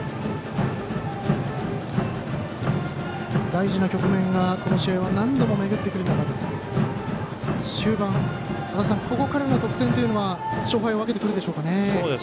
大事な局面がこの試合は何度も巡ってくる中で終盤、ここからの得点というのは勝敗を分けてくるでしょうか。